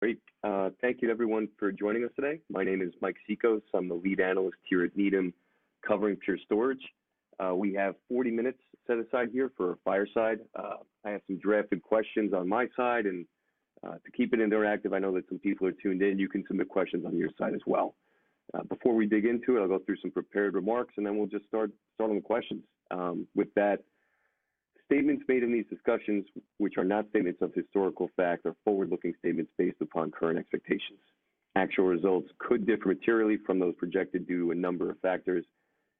Great. Thank you to everyone for joining us today. My name is Mike Cikos. I'm the Lead Analyst here at Needham covering Pure Storage. We have 40 minutes set aside here for our fireside. I have some drafted questions on my side, and to keep it interactive, I know that some people are tuned in. You can submit questions on your side as well. Before we dig into it, I'll go through some prepared remarks, and then we'll just start on the questions. With that, statements made in these discussions, which are not statements of historical fact, are forward-looking statements based upon current expectations. Actual results could differ materially from those projected due to a number of factors,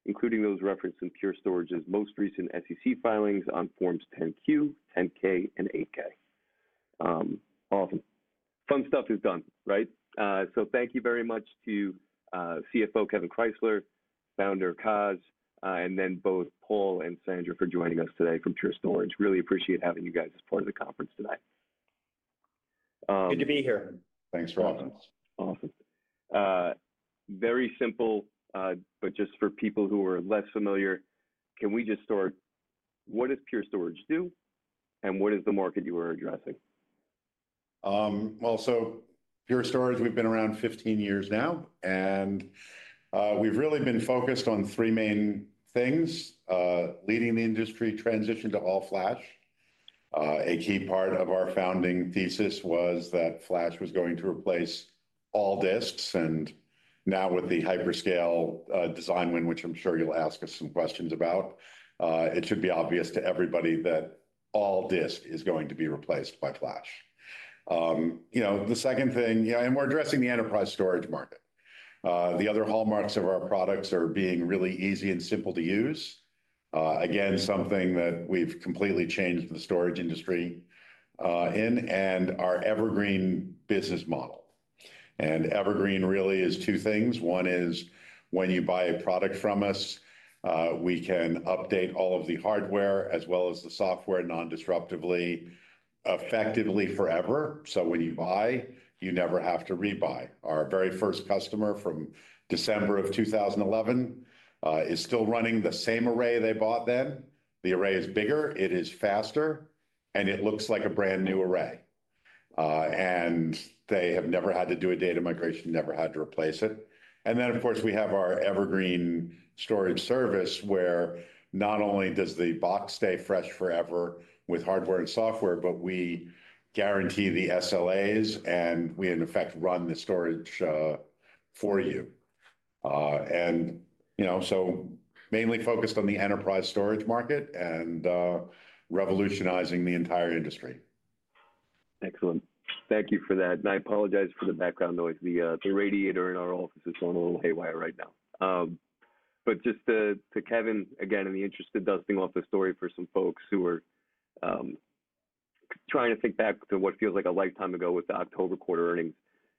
including those referenced in Pure Storage's most recent SEC filings on Forms 10-Q, 10-K, and 8-K. Awesome. Fun stuff is done, right? Thank you very much to CFO Kevan Krysler, Founder, Coz and then both Paul and Sanjot for joining us today from Pure Storage. Really appreciate having you guys as part of the conference tonight. Good to be here. Thanks for having us. Awesome. Very simple, but just for people who are less familiar, can we just start? What does Pure Storage do, and what is the market you are addressing? Pure Storage, we've been around fifteen years now, and we've really been focused on three main things, leading the industry transition to all-flash. A key part of our founding thesis was that flash was going to replace all disks, and now with the hyperscale design win, which I'm sure you'll ask us some questions about, it should be obvious to everybody that all-disk is going to be replaced by flash. You know, the second thing, you know, and we're addressing the enterprise storage market. The other hallmarks of our products are being really easy and simple to use. Again, something that we've completely changed the storage industry, and our Evergreen business model. Evergreen really is two things. One is when you buy a product from us, we can update all of the hardware as well as the software non-disruptively, effectively forever. So when you buy, you never have to rebuy. Our very first customer from December of 2011 is still running the same array they bought then. The array is bigger, it is faster, and it looks like a brand new array, and they have never had to do a data migration, never had to replace it. Then, of course, we have our Evergreen Storage service where not only does the box stay fresh forever with hardware and software, but we guarantee the SLAs, and we, in effect, run the storage for you. And, you know, so mainly focused on the enterprise storage market and revolutionizing the entire industry. Excellent. Thank you for that. And I apologize for the background noise. The radiator in our office is on a little haywire right now. But just to Kevan, again, in the interest of dusting off the story for some folks who are trying to think back to what feels like a lifetime ago with the October quarter earnings,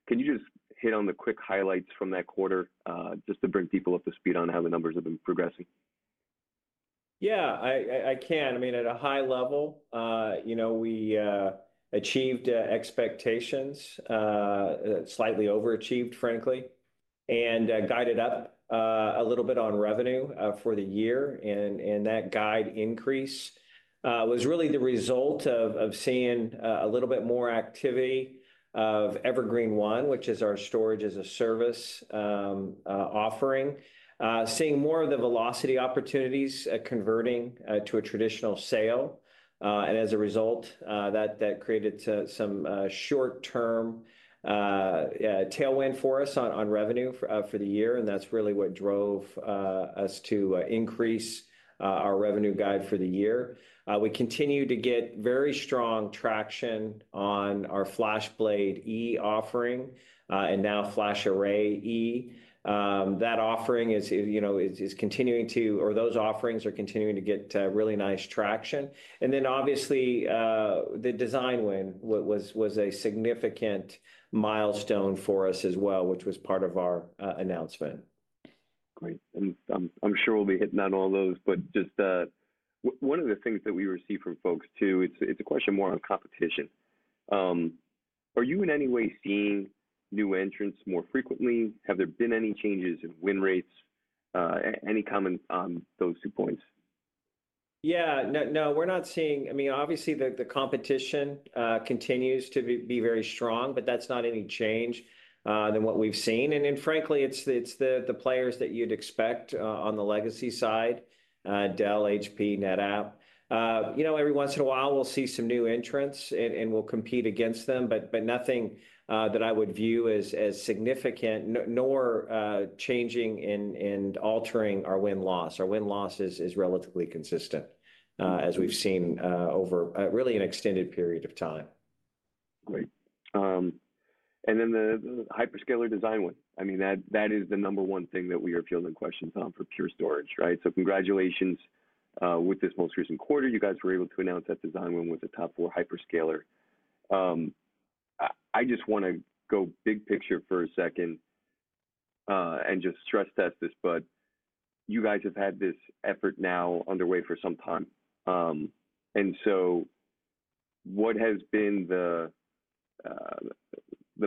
can you just hit on the quick highlights from that quarter, just to bring people up to speed on how the numbers have been progressing? Yeah, I can. I mean, at a high level, you know, we achieved expectations, slightly overachieved, frankly, and guided up a little bit on revenue for the year. And that guide increase was really the result of seeing a little bit more activity of Evergreen//One, which is our storage as a service offering, seeing more of the velocity opportunities converting to a traditional sale. And as a result, that created some short-term tailwind for us on revenue for the year. And that's really what drove us to increase our revenue guide for the year. We continue to get very strong traction on our FlashBlade//E offering, and now FlashArray//E. That offering, you know, is continuing to, or those offerings are continuing to get really nice traction. Then obviously, the design win was a significant milestone for us as well, which was part of our announcement. Great. And I'm sure we'll be hitting on all those, but just one of the things that we receive from folks too, it's a question more on competition. Are you in any way seeing new entrants more frequently? Have there been any changes in win rates? Any comment on those two points? Yeah, no, no, we're not seeing, I mean, obviously the competition continues to be very strong, but that's not any change than what we've seen. And frankly, it's the players that you'd expect, on the legacy side, Dell, HP, NetApp. You know, every once in a while we'll see some new entrants and we'll compete against them, but nothing that I would view as significant, nor changing in altering our win loss. Our win loss is relatively consistent, as we've seen, over really an extended period of time. Great. And then the hyperscaler design win. I mean, that is the number one thing that we are fielding questions on for Pure Storage, right? So, congratulations with this most recent quarter. You guys were able to announce that design win with a top four hyperscaler. I just wanna go big picture for a second, and just stress test this, but you guys have had this effort now underway for some time. And so what has been the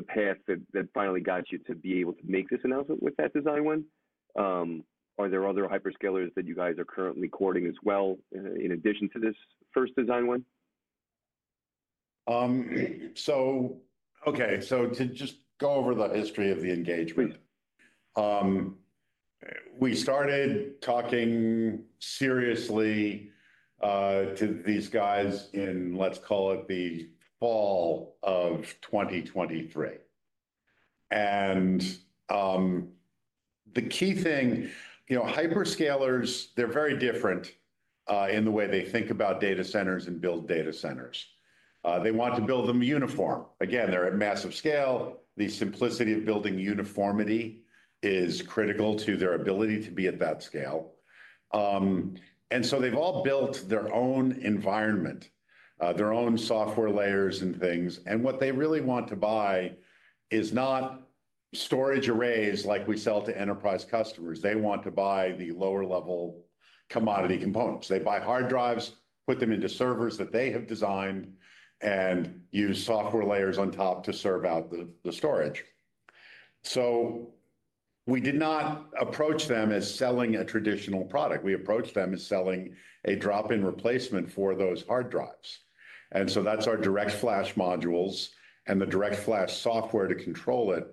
path that finally got you to be able to make this announcement with that design win? Are there other hyperscalers that you guys are currently courting as well, in addition to this first design win? Okay, so to just go over the history of the engagement. Sure. We started talking seriously to these guys in, let's call it, the fall of 2023, and the key thing, you know, hyperscalers, they're very different in the way they think about data centers and build data centers. They want to build them uniform. Again, they're at massive scale. The simplicity of building uniformity is critical to their ability to be at that scale, and so they've all built their own environment, their own software layers and things, and what they really want to buy is not storage arrays like we sell to enterprise customers. They want to buy the lower-level commodity components. They buy hard drives, put them into servers that they have designed, and use software layers on top to serve out the storage, so we did not approach them as selling a traditional product. We approached them as selling a drop-in replacement for those hard drives. And so that's our DirectFlash modules and the DirectFlash software to control it.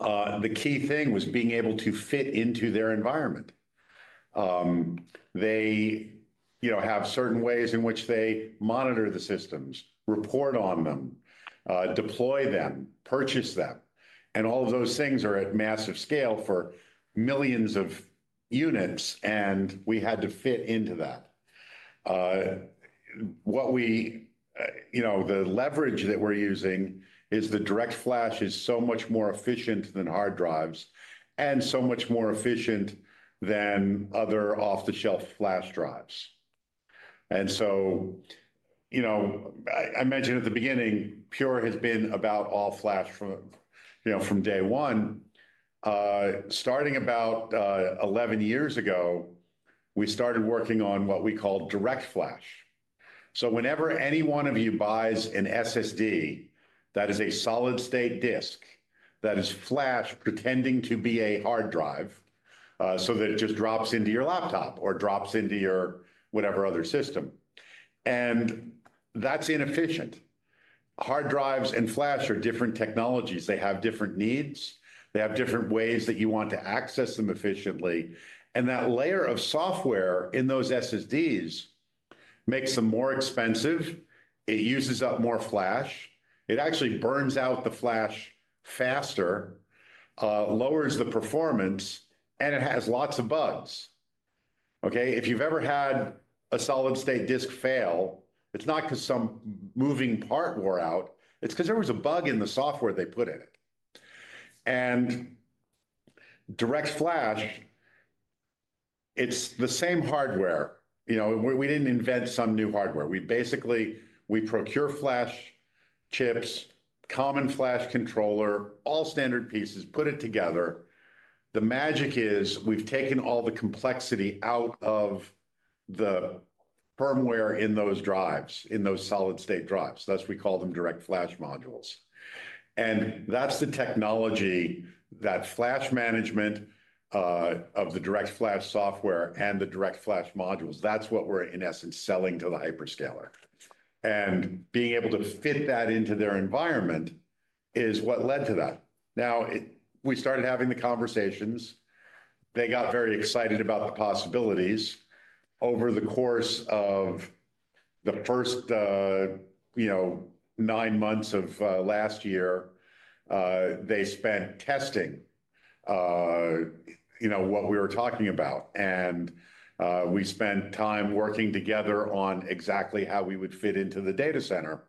The key thing was being able to fit into their environment. They, you know, have certain ways in which they monitor the systems, report on them, deploy them, purchase them, and all of those things are at massive scale for millions of units, and we had to fit into that. What we, you know, the leverage that we're using is the DirectFlash is so much more efficient than hard drives and so much more efficient than other off-the-shelf flash drives. And so, you know, I mentioned at the beginning, Pure has been about all-flash from, you know, from day one. Starting about 11 years ago, we started working on what we call DirectFlash. So whenever any one of you buys an SSD that is a solid-state disk that is flash pretending to be a hard drive, so that it just drops into your laptop or drops into your whatever other system, and that's inefficient. Hard drives and flash are different technologies. They have different needs. They have different ways that you want to access them efficiently. And that layer of software in those SSDs makes them more expensive. It uses up more flash. It actually burns out the flash faster, lowers the performance, and it has lots of bugs. Okay? If you've ever had a solid-state disk fail, it's not 'cause some moving part wore out. It's 'cause there was a bug in the software they put in it. And DirectFlash, it's the same hardware. You know, we didn't invent some new hardware. We basically, we procure flash chips, common flash controller, all standard pieces, put it together. The magic is we've taken all the complexity out of the firmware in those drives, in those solid-state drives. That's why we call them DirectFlash modules, and that's the technology, that flash management, of the DirectFlash software and the DirectFlash modules. That's what we're in essence selling to the hyperscaler and being able to fit that into their environment is what led to that. Now, we started having the conversations. They got very excited about the possibilities. Over the course of the first, you know, nine months of, last year, they spent testing, you know, what we were talking about, and we spent time working together on exactly how we would fit into the data center.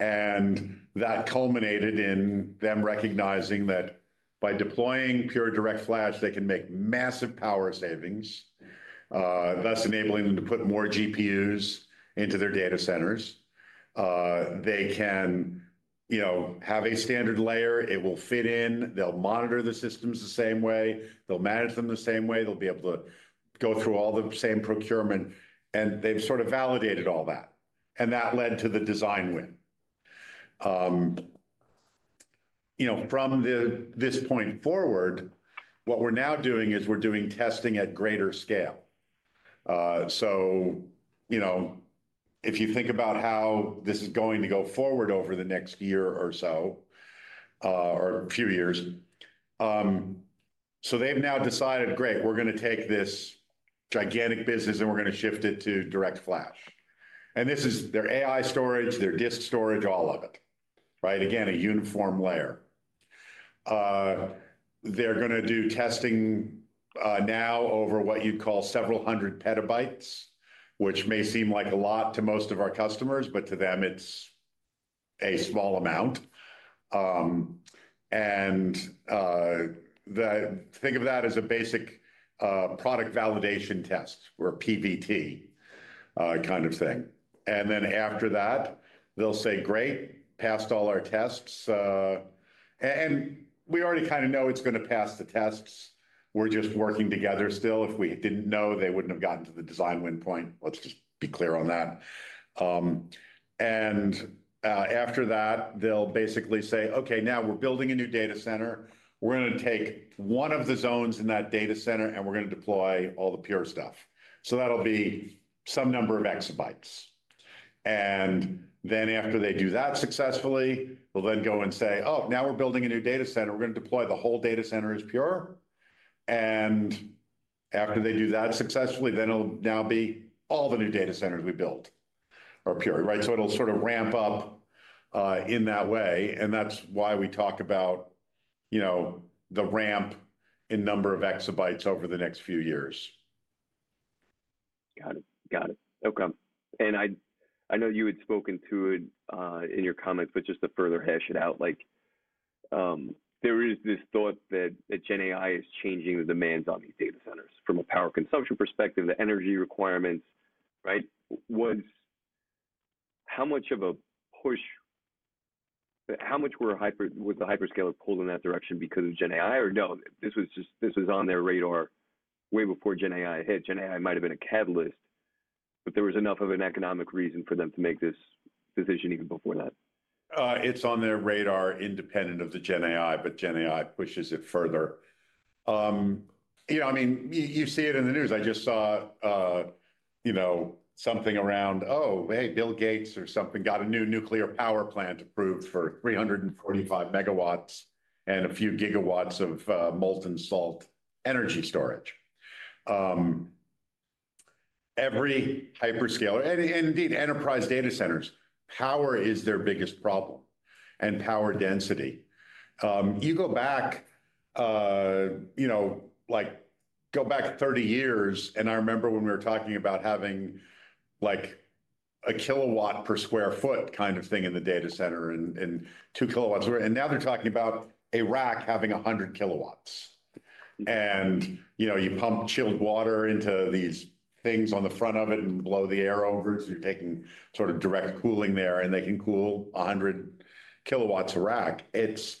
And that culminated in them recognizing that by deploying Pure DirectFlash, they can make massive power savings, thus enabling them to put more GPUs into their data centers. They can, you know, have a standard layer. It will fit in. They will monitor the systems the same way. They will manage them the same way. They will be able to go through all the same procurement. And they have sort of validated all that. And that led to the design win. You know, from this point forward, what we are now doing is we are doing testing at greater scale. So, you know, if you think about how this is going to go forward over the next year or so, or a few years, so they have now decided, great, we are gonna take this gigantic business and we are gonna shift it to DirectFlash. And this is their AI storage, their disk storage, all of it, right? Again, a uniform layer. They're gonna do testing now over what you'd call several hundred petabytes, which may seem like a lot to most of our customers, but to them it's a small amount. Then think of that as a basic Product Validation Test or PVT, kind of thing. And then after that, they'll say, great, passed all our tests. And we already kind of know it's gonna pass the tests. We're just working together still. If we didn't know, they wouldn't have gotten to the design win point. Let's just be clear on that. And after that, they'll basically say, okay, now we're building a new data center. We're gonna take one of the zones in that data center and we're gonna deploy all the Pure stuff. So that'll be some number of exabytes. And then after they do that successfully, they'll then go and say, oh, now we're building a new data center. We're gonna deploy the whole data center as Pure. And after they do that successfully, then it'll now be all the new data centers we build are Pure, right? So it'll sort of ramp up, in that way. And that's why we talk about, you know, the ramp in number of exabytes over the next few years. Got it. Got it. Okay. And I know you had spoken to it in your comments, but just to further hash it out, like, there is this thought that Gen AI is changing the demands on these data centers from a power consumption perspective, the energy requirements, right? What was how much of a push, how much were the hyperscalers pulled in that direction because of Gen AI or no, this was just on their radar way before Gen AI hit. Gen AI might've been a catalyst, but there was enough of an economic reason for them to make this decision even before that. It's on their radar independent of the Gen AI, but Gen AI pushes it further. You know, I mean, you, you see it in the news. I just saw, you know, something around, oh, hey, Bill Gates or something got a new nuclear power plant approved for 345 MW and a few gigawatts of molten salt energy storage. Every hyperscaler, and, and indeed enterprise data centers, power is their biggest problem and power density. You go back, you know, like go back 30 years, and I remember when we were talking about having like a kilowatt per sq ft kind of thing in the data center and, and 2 kW sq ft. And now they're talking about a rack having 100 kW. And, you know, you pump chilled water into these things on the front of it and blow the air over. So you're taking sort of direct cooling there and they can cool a 100 kW a rack. Its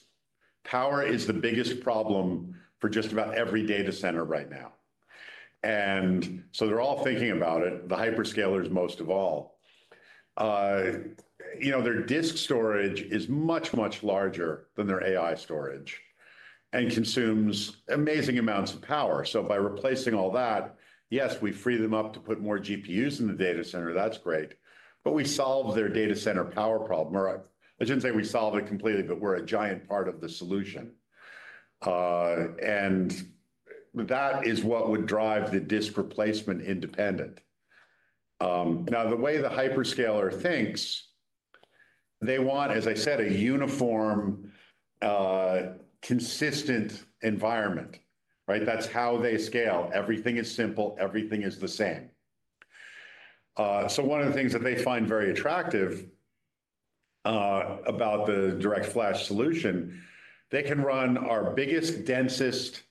power is the biggest problem for just about every data center right now. They're all thinking about it, the hyperscalers most of all. You know, their disk storage is much, much larger than their AI storage and consumes amazing amounts of power. So by replacing all that, yes, we free them up to put more GPUs in the data center. That's great. But we solve their data center power problem. Or I shouldn't say we solve it completely, but we're a giant part of the solution. That is what would drive the disk replacement independently. Now the way the hyperscaler thinks, they want, as I said, a uniform, consistent environment, right? That's how they scale. Everything is simple. Everything is the same. So one of the things that they find very attractive about the direct flash solution is they can run our biggest, densest,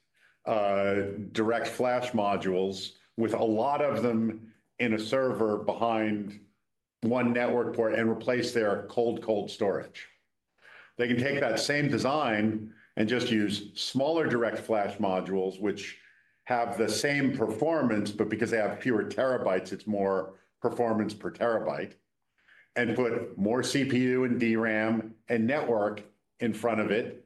direct flash modules with a lot of them in a server behind one network port and replace their cold, cold storage. They can take that same design and just use smaller direct flash modules, which have the same performance, but because they have fewer terabytes, it's more performance per terabyte and put more CPU and DRAM and network in front of it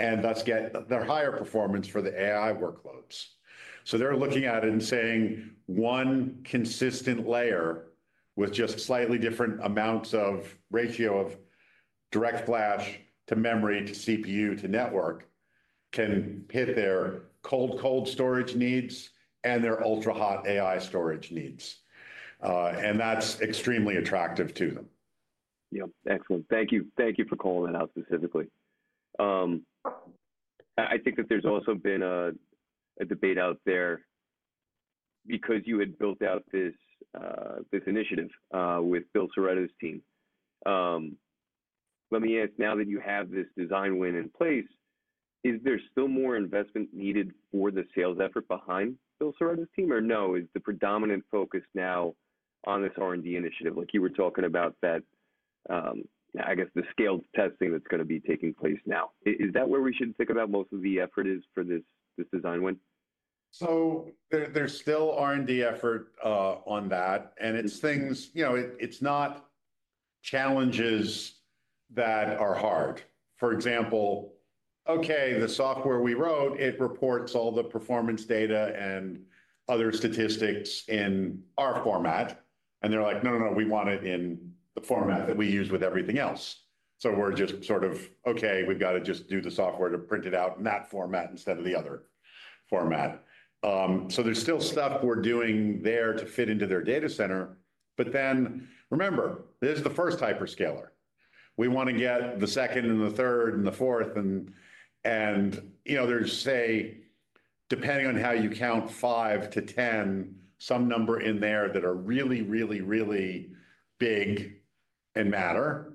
and thus get their higher performance for the AI workloads. So they're looking at it and saying one consistent layer with just slightly different amounts of ratio of direct flash to memory to CPU to network can hit their cold, cold storage needs and their ultra hot AI storage needs, and that's extremely attractive to them. Yep. Excellent. Thank you. Thank you for calling that out specifically. I think that there's also been a debate out there because you had built out this initiative with Bill Cerreta's team. Let me ask, now that you have this design win in place, is there still more investment needed for the sales effort behind Bill Cerreta's team or no, is the predominant focus now on this R&D initiative, like you were talking about that, I guess the scaled testing that's gonna be taking place now? Is that where we should think about most of the effort is for this design win? So, there's still R&D effort on that. And it's things, you know, it's not challenges that are hard. For example, okay, the software we wrote, it reports all the performance data and other statistics in our format. And they're like, no, no, no, we want it in the format that we use with everything else. So we're just sort of, okay, we've gotta just do the software to print it out in that format instead of the other format. So there's still stuff we're doing there to fit into their data center. But then remember, this is the first hyperscaler. We wanna get the second and the third and the fourth. And, you know, there's, say, depending on how you count five to 10, some number in there that are really, really, really big and matter.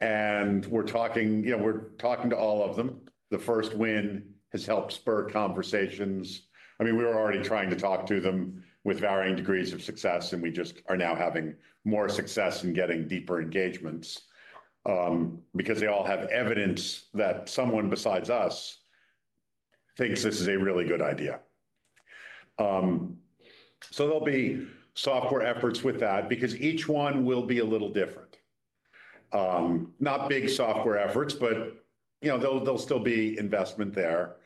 And we're talking, you know, we're talking to all of them. The first win has helped spur conversations. I mean, we were already trying to talk to them with varying degrees of success, and we just are now having more success in getting deeper engagements, because they all have evidence that someone besides us thinks this is a really good idea, so there'll be software efforts with that because each one will be a little different, not big software efforts, but, you know, there'll still be investment there.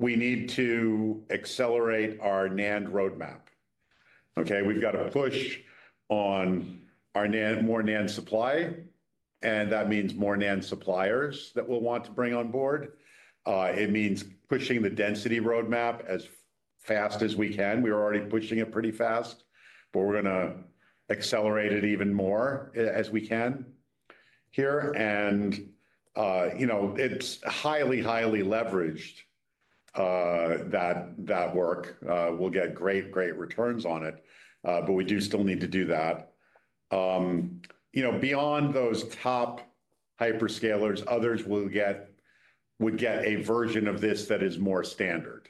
We need to accelerate our NAND roadmap. Okay? We've gotta push on our NAND, more NAND supply, and that means more NAND suppliers that we'll want to bring on board, it means pushing the density roadmap as fast as we can. We are already pushing it pretty fast, but we're gonna accelerate it even more as we can here, and, you know, it's highly, highly leveraged, that, that work. We'll get great, great returns on it. But we do still need to do that. You know, beyond those top hyperscalers, others would get a version of this that is more standard.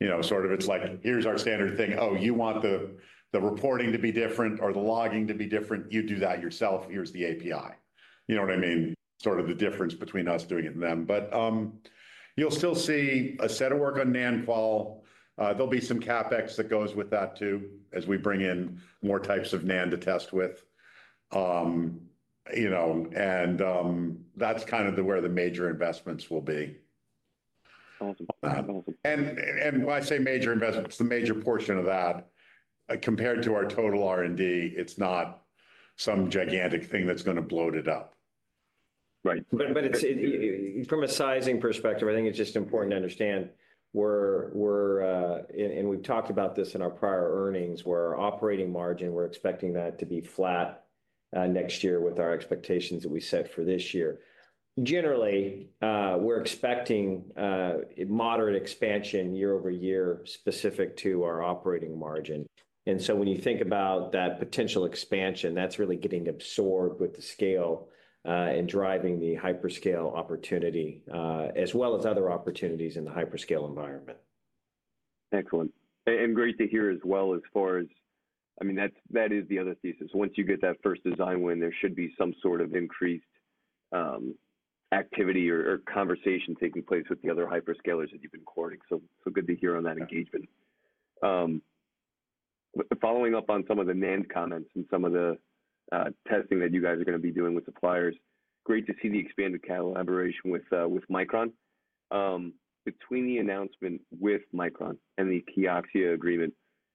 You know, sort of, it's like, here's our standard thing. Oh, you want the reporting to be different or the logging to be different. You do that yourself. Here's the API. You know what I mean? Sort of the difference between us doing it and them. But you'll still see a set of work on NAND quality. There'll be some CapEx that goes with that too as we bring in more types of NAND to test with. You know, and that's kind of where the major investments will be. Awesome. Awesome. And, when I say major investments, the major portion of that, compared to our total R&D, it's not some gigantic thing that's gonna bloat it up. Right. But it's from a sizing perspective. I think it's just important to understand we're and we've talked about this in our prior earnings where our operating margin, we're expecting that to be flat next year with our expectations that we set for this year. Generally, we're expecting moderate expansion year-over-year specific to our operating margin. And so when you think about that potential expansion, that's really getting absorbed with the scale and driving the hyperscale opportunity, as well as other opportunities in the hyperscale environment. Excellent. And great to hear as well as far as. I mean, that is the other thesis. Once you get that first design win, there should be some sort of increased activity or conversation taking place with the other hyperscalers that you've been courting. So good to hear on that engagement. Following up on some of the NAND comments and some of the testing that you guys are gonna be doing with suppliers, great to see the expanded collaboration with Micron. Between the announcement with Micron and the Kioxia agreement,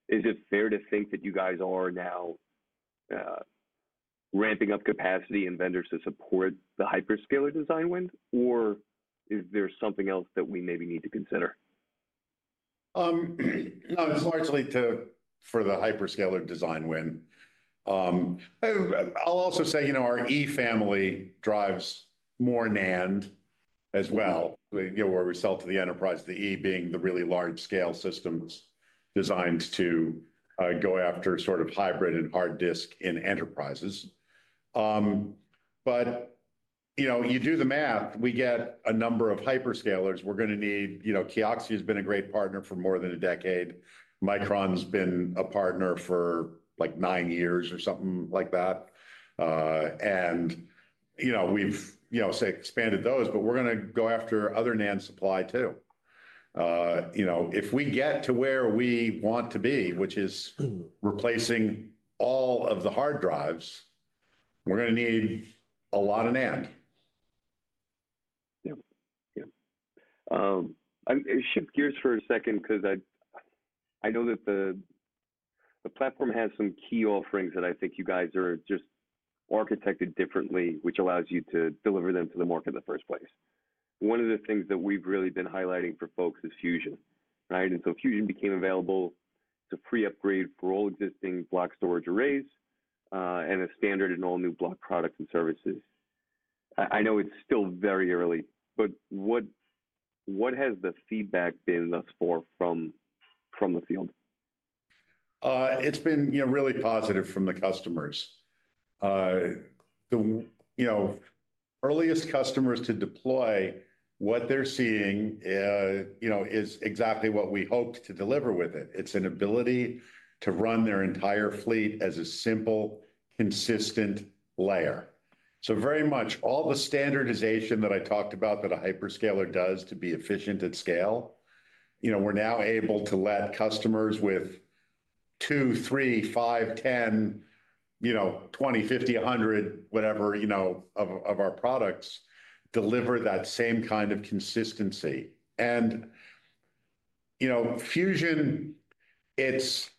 is it fair to think that you guys are now ramping up capacity and vendors to support the hyperscaler design win, or is there something else that we maybe need to consider? No, it's largely to for the hyperscaler design win. I'll also say, you know, our E family drives more NAND as well, you know, where we sell to the enterprise, the E being the really large-scale systems designed to go after sort of hybrid and hard disk in enterprises. But you know, you do the math, we get a number of hyperscalers. We're gonna need, you know, Kioxia has been a great partner for more than a decade. Micron's been a partner for like nine years or something like that. And you know, we've, you know, say expanded those, but we're gonna go after other NAND supply too. You know, if we get to where we want to be, which is replacing all of the hard drives, we're gonna need a lot of NAND. Yep. I'm gonna shift gears for a second 'cause I know that the platform has some key offerings that I think you guys are just architected differently, which allows you to deliver them to the market in the first place. One of the things that we've really been highlighting for folks is Fusion, right? And so Fusion became available as a free upgrade for all existing block storage arrays, and a standard in all new block products and services. I know it's still very early, but what has the feedback been thus far from the field? It's been, you know, really positive from the customers. The, you know, earliest customers to deploy what they're seeing, you know, is exactly what we hoped to deliver with it. It's an ability to run their entire fleet as a simple, consistent layer. So very much all the standardization that I talked about that a hyperscaler does to be efficient at scale, you know, we're now able to let customers with two, three, five, 10, you know, 20, 50, 100, whatever, you know, of our products deliver that same kind of consistency, and, you know, Fusion, it's,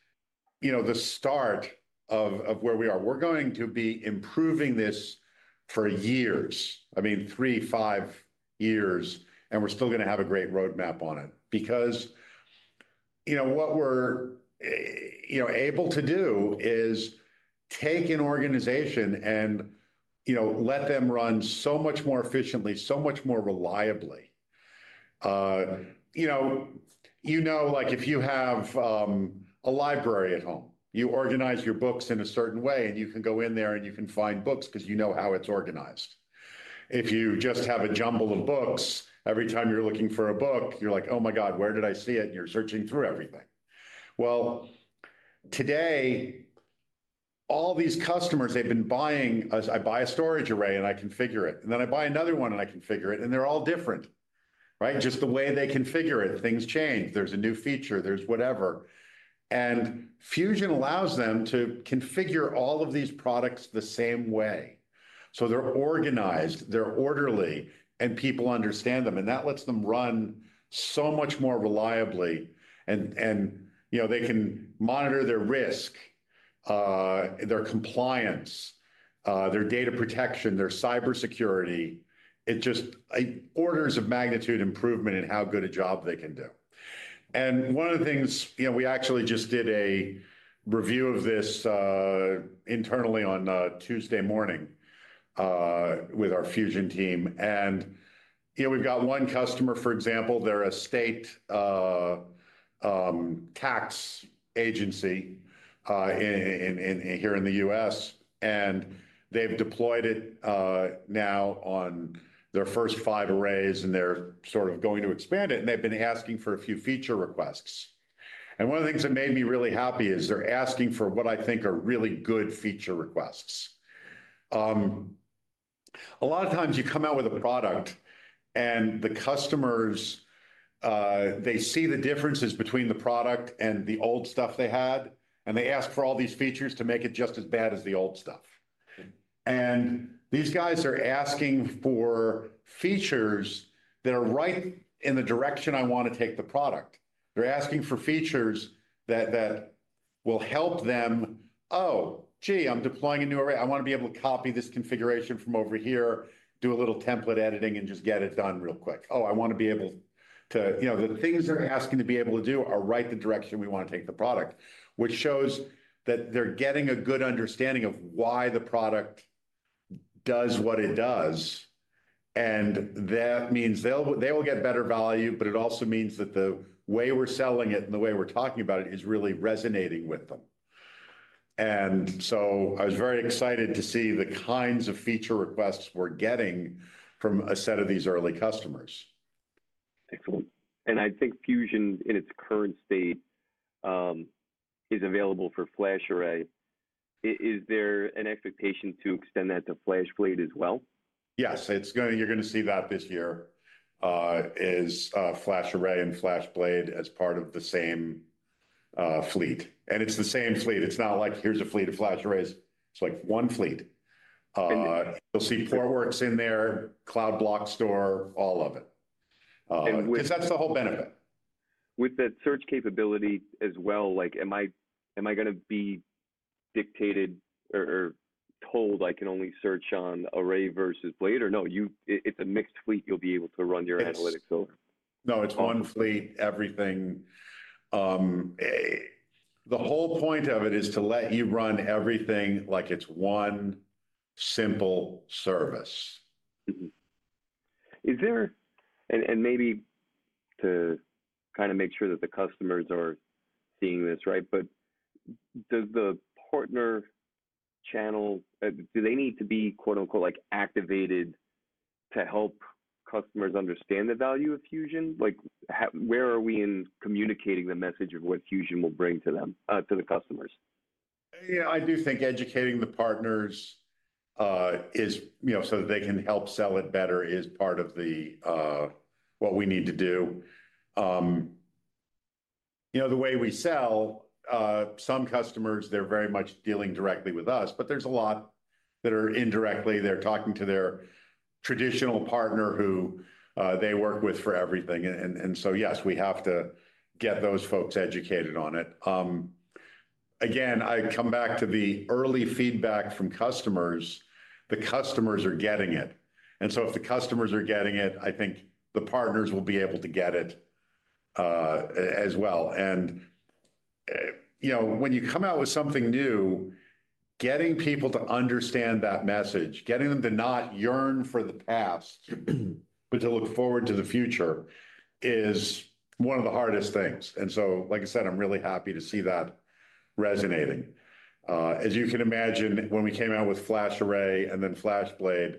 you know, the start of, of where we are. We're going to be improving this for years, I mean, three, five years, and we're still gonna have a great roadmap on it because, you know, what we're, you know, able to do is take an organization and, you know, let them run so much more efficiently, so much more reliably. You know, you know, like if you have a library at home, you organize your books in a certain way and you can go in there and you can find books 'cause you know how it's organized. If you just have a jumble of books, every time you're looking for a book, you're like, oh my God, where did I see it, and you're searching through everything. Today all these customers, they've been buying us, I buy a storage array and I configure it, and then I buy another one and I configure it, and they're all different, right? Just the way they configure it, things change. There's a new feature, there's whatever. And Fusion allows them to configure all of these products the same way. So they're organized, they're orderly, and people understand them. And that lets them run so much more reliably. And, you know, they can monitor their risk, their compliance, their data protection, their cybersecurity. It just, it orders of magnitude improvement in how good a job they can do. And one of the things, you know, we actually just did a review of this, internally, on Tuesday morning, with our Fusion team. You know, we've got one customer, for example. They're a state tax agency in here in the U.S., and they've deployed it now on their first five arrays and they're sort of going to expand it. They've been asking for a few feature requests. One of the things that made me really happy is they're asking for what I think are really good feature requests. A lot of times you come out with a product and the customers, they see the differences between the product and the old stuff they had, and they ask for all these features to make it just as bad as the old stuff. These guys are asking for features that are right in the direction I wanna take the product. They're asking for features that will help them. Oh, gee, I'm deploying a new array. I wanna be able to copy this configuration from over here, do a little template editing and just get it done real quick. Oh, I wanna be able to, you know, the things they're asking to be able to do are right the direction we wanna take the product, which shows that they're getting a good understanding of why the product does what it does. And that means they'll, they'll get better value, but it also means that the way we're selling it and the way we're talking about it is really resonating with them. And so I was very excited to see the kinds of feature requests we're getting from a set of these early customers. Excellent. And I think Fusion in its current state is available for FlashArray. Is there an expectation to extend that to FlashBlade as well? Yes, it's gonna, you're gonna see that this year, FlashArray and FlashBlade as part of the same fleet. And it's the same fleet. It's not like, here's a fleet of FlashArrays. It's like one fleet. You'll see Portworx in there, Cloud Block Store, all of it. 'Cause that's the whole benefit. With that search capability as well, like, am I gonna be dictated or told I can only search on array versus blade or no, you, it's a mixed fleet you'll be able to run your analytics over? No, it's one fleet, everything. The whole point of it is to let you run everything like it's one simple service. Is there maybe to kind of make sure that the customers are seeing this, right? But does the partner channel, do they need to be quote unquote like activated to help customers understand the value of Fusion? Like how, where are we in communicating the message of what Fusion will bring to them, to the customers? Yeah, I do think educating the partners is, you know, so that they can help sell it better is part of what we need to do. You know, the way we sell, some customers, they're very much dealing directly with us, but there's a lot that are indirectly, they're talking to their traditional partner who they work with for everything. And so yes, we have to get those folks educated on it. Again, I come back to the early feedback from customers. The customers are getting it. And so if the customers are getting it, I think the partners will be able to get it, as well. You know, when you come out with something new, getting people to understand that message, getting them to not yearn for the past, but to look forward to the future is one of the hardest things. Like I said, I'm really happy to see that resonating. As you can imagine, when we came out with FlashArray and then FlashBlade,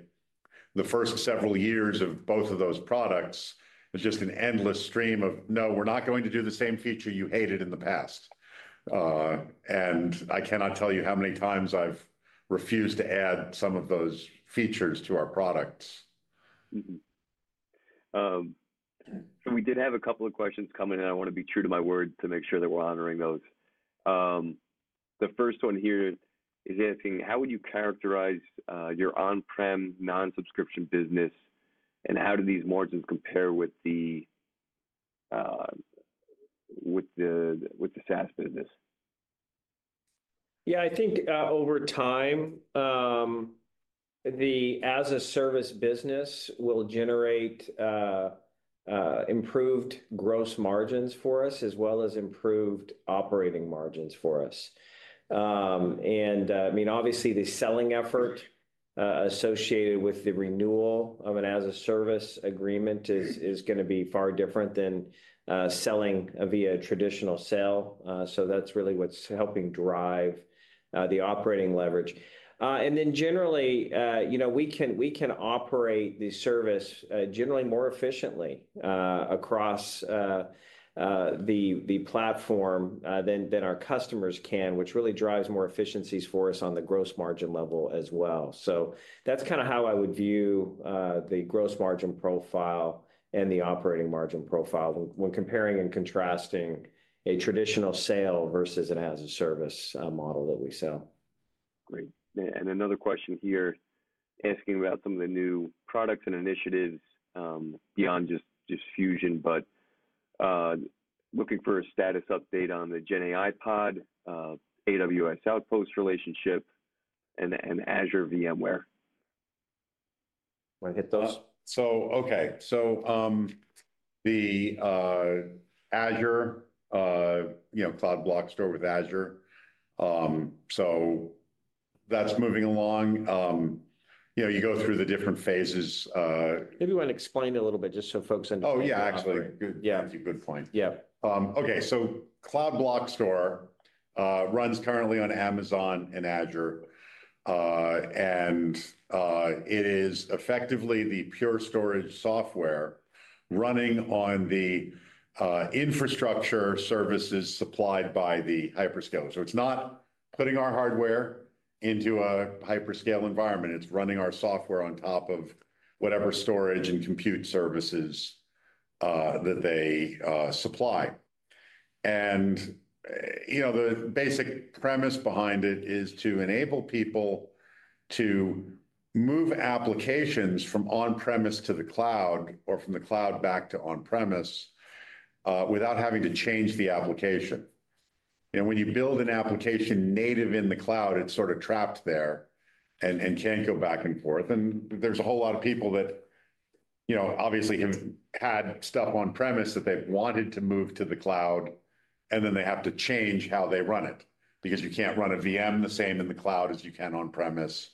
the first several years of both of those products is just an endless stream of, no, we're not going to do the same feature you hated in the past. I cannot tell you how many times I've refused to add some of those features to our products. So we did have a couple of questions coming in. I wanna be true to my word to make sure that we're honoring those. The first one here is asking how would you characterize your on-prem non-subscription business and how do these margins compare with the SaaS business? Yeah, I think over time, the as a service business will generate improved gross margins for us as well as improved operating margins for us. I mean, obviously the selling effort associated with the renewal of an as a service agreement is gonna be far different than selling via traditional sale. That's really what's helping drive the operating leverage. Then generally, you know, we can operate the service generally more efficiently across the platform than our customers can, which really drives more efficiencies for us on the gross margin level as well. That's kind of how I would view the gross margin profile and the operating margin profile when comparing and contrasting a traditional sale versus an as a service model that we sell. Great. And another question here asking about some of the new products and initiatives, beyond just fusion, but looking for a status update on the Gen AI pod, AWS Outpost relationship and Azure VMware. Wanna hit those? So, okay. So, the Azure, you know, Cloud Block Store with Azure. So that's moving along. You know, you go through the different phases. Maybe you wanna explain a little bit just so folks understand. Oh yeah, actually. Yeah. That's a good point. Yeah. Okay, so Cloud Block Store runs currently on Amazon and Azure, and it is effectively the Pure Storage software running on the infrastructure services supplied by the hyperscaler. So it's not putting our hardware into a hyperscale environment. It's running our software on top of whatever storage and compute services that they supply, and you know, the basic premise behind it is to enable people to move applications from on-premise to the cloud or from the cloud back to on-premise, without having to change the application. You know, when you build an application native in the cloud, it's sort of trapped there and can't go back and forth. And there's a whole lot of people that, you know, obviously have had stuff on-premise that they've wanted to move to the cloud, and then they have to change how they run it because you can't run a VM the same in the cloud as you can on-premise.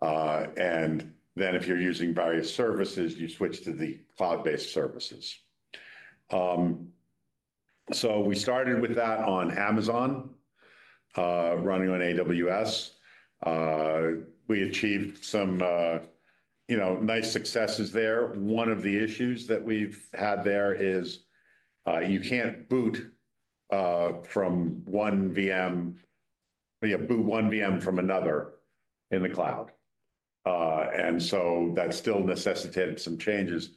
Then if you're using various services, you switch to the cloud-based services. So we started with that on Amazon, running on AWS. We achieved some, you know, nice successes there. One of the issues that we've had there is, you can't boot from one VM, you know, boot one VM from another in the cloud. And so that still necessitated some changes.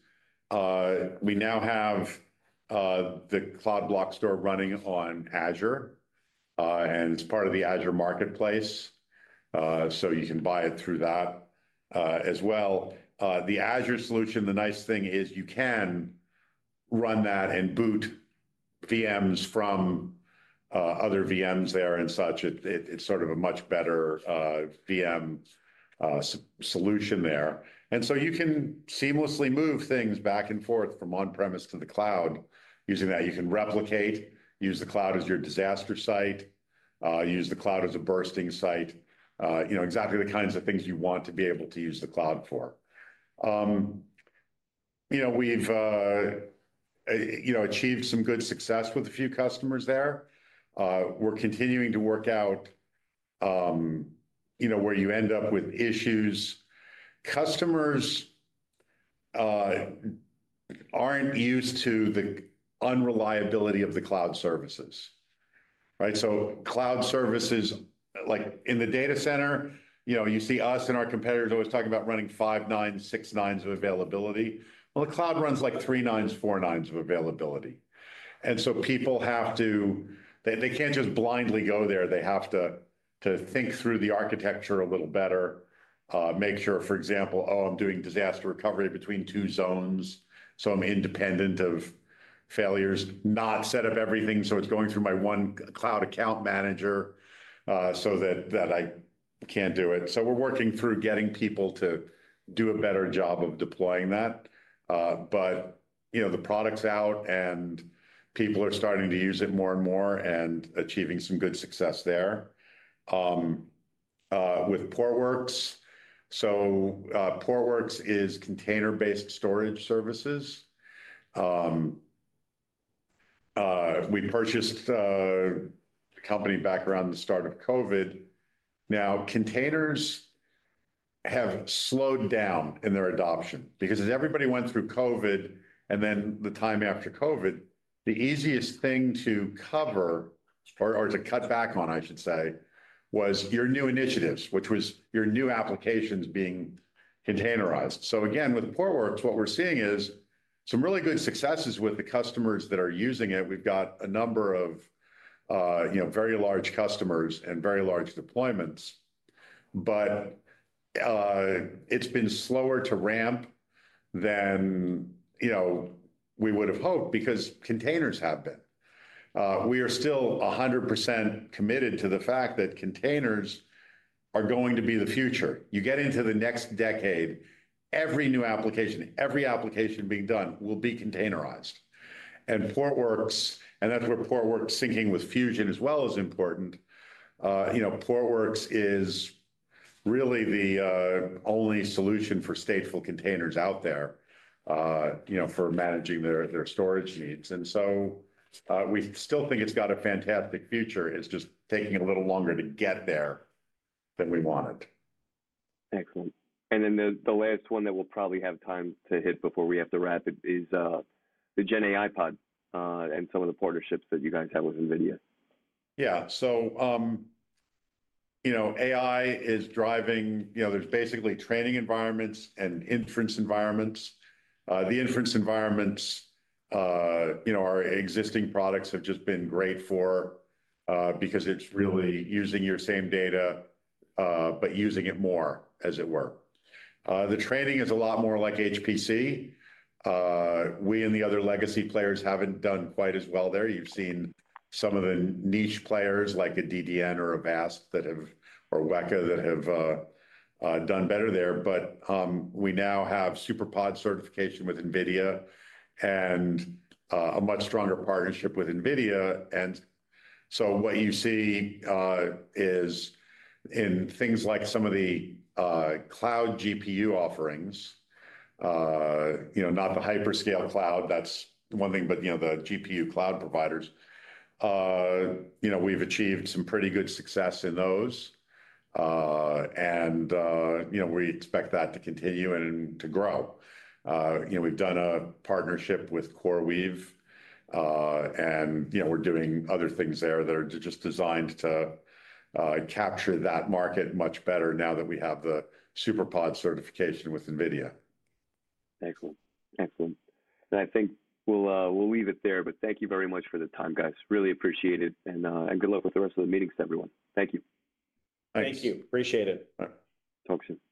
We now have the Pure Cloud Block Store running on Azure, and it's part of the Azure Marketplace. So you can buy it through that, as well. The Azure Solution, the nice thing is you can run that and boot VMs from other VMs there and such. It, it's sort of a much better VM solution there. And so you can seamlessly move things back and forth from on-premises to the cloud using that. You can replicate, use the cloud as your disaster site, use the cloud as a bursting site, you know, exactly the kinds of things you want to be able to use the cloud for. You know, we've achieved some good success with a few customers there. We're continuing to work out, you know, where you end up with issues. Customers aren't used to the unreliability of the Cloud Services, right? So Cloud Services, like in the data center, you know, you see us and our competitors always talking about running five-nines, six-nines of availability. The cloud runs like three-nines, four-nines of availability, and so people have to they can't just blindly go there. They have to think through the architecture a little better, make sure, for example, oh, I'm doing disaster recovery between two zones. So I'm independent of failures, not set up everything. So it's going through my one Cloud Account Manager, so that I can't do it. So we're working through getting people to do a better job of deploying that, but you know, the product's out and people are starting to use it more and more and achieving some good success there with Portworx. Portworx is container-based storage services. We purchased a company back around the start of COVID. Now, containers have slowed down in their adoption because as everybody went through COVID and then the time after COVID, the easiest thing to cover or, or to cut back on, I should say, was your new initiatives, which was your new applications being containerized. So again, with Portworx, what we're seeing is some really good successes with the customers that are using it. We've got a number of, you know, very large customers and very large deployments, but, it's been slower to ramp than, you know, we would've hoped because containers have been. We are still 100% committed to the fact that containers are going to be the future. You get into the next decade, every new application, every application being done, will be containerized, and Portworx, and that's where Portworx syncing with Fusion as well is important. You know, Portworx is really the only solution for stateful containers out there, you know, for managing their storage needs. And so, we still think it's got a fantastic future. It's just taking a little longer to get there than we wanted. Excellent. And then the last one that we'll probably have time to hit before we have to wrap it is the Gen AI pod, and some of the partnerships that you guys have with NVIDIA. Yeah, so you know, AI is driving, you know, there's basically training environments and inference environments. The inference environments, you know, our existing products have just been great for, because it's really using your same data, but using it more as it were. The training is a lot more like HPC. We and the other legacy players haven't done quite as well there. You've seen some of the niche players like a DDN or a VAST that have, or WEKA that have, done better there, but we now have SuperPOD certification with NVIDIA and a much stronger partnership with NVIDIA, and so what you see is in things like some of the cloud GPU offerings, you know, not the hyperscale cloud, that's one thing, but you know, the GPU cloud providers, you know, we've achieved some pretty good success in those. And, you know, we expect that to continue and to grow. You know, we've done a partnership with CoreWeave, and you know, we're doing other things there that are just designed to capture that market much better now that we have the SuperPOD certification with NVIDIA. Excellent. Excellent. And I think we'll leave it there, but thank you very much for the time, guys. Really appreciate it. And good luck with the rest of the meetings, everyone. Thank you. Thank you. Appreciate it. All right. Talk soon.